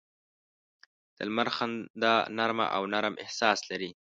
د لمر خندا نرمه او نرم احساس لري